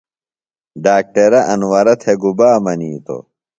ڈاکٹرہ انورہ تھےۡ گُبا منِیتوۡ؟